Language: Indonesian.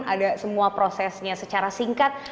ada semua prosesnya secara singkat